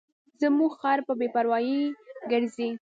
زموږ خر په بې پروایۍ ګرځي.